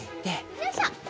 よいしょ。